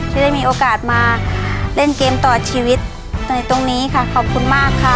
ที่ได้มีโอกาสมาเล่นเกมต่อชีวิตในตรงนี้ค่ะขอบคุณมากค่ะ